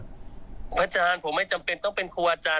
อาจารย์ผมไม่จำเป็นต้องเป็นครูอาจารย์